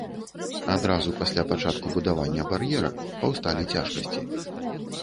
Адразу пасля пачатку будавання бар'ера паўсталі цяжкасці.